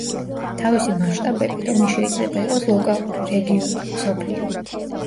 თავისი მასშტაბებით ომი შეიძლება იყოს ლოკალური, რეგიონული, მსოფლიო.